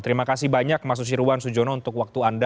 terima kasih banyak mas susirwan sujono untuk waktu anda